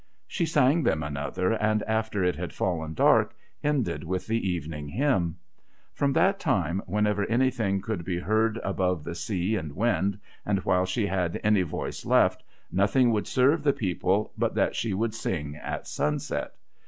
She sang them another, and after it had fallen dark ended with the Evening Hymn. From that time, whenever anything could be heard above the sea and wind, and while she had any voice left, nothing would serve the people but that she should sing at sunset.